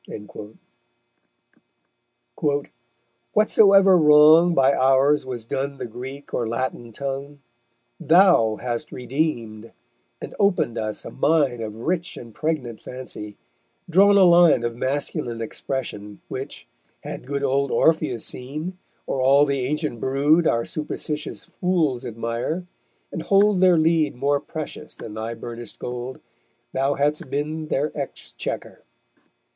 _Whatsoever wrong By ours was done the Greek or Latin tongue, Thou hast redeem'd, and opened us a mine Of rich and pregnant fancy, drawn a line Of masculine expression, which, had good Old Orpheus seen, or all the ancient brood Our superstitious fools admire, and hold Their lead more precious than thy burnish'd gold, Thou hadst been their exchequer....